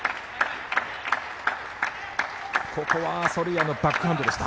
ここはソルヤのバックハンドでした。